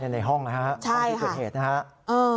ในห้องนะครับห้องที่เกิดเหตุนะครับ